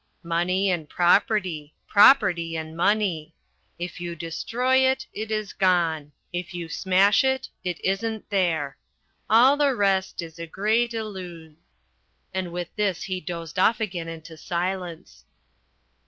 Money and property, property and money. If you destroy it, it is gone; if you smash it, it isn't there. All the rest is a great illus " And with this he dozed off again into silence.